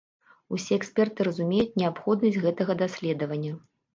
Усе эксперты разумеюць неабходнасць гэтага даследавання.